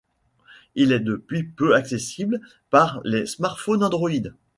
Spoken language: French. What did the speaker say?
Il est depuis peu accessible par les smartphones Android.